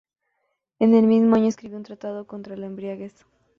En el mismo año escribió un tratado contra la embriaguez.